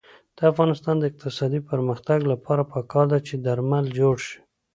د افغانستان د اقتصادي پرمختګ لپاره پکار ده چې درمل جوړ شي.